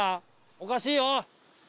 おかしいよ！